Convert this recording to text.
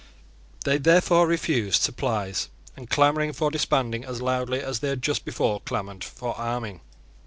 They therefore refused supplies, and clamoured for disbanding as loudly as they had just before clamoured for arming.